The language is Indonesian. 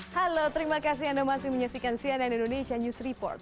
halo terima kasih anda masih menyaksikan cnn indonesia news report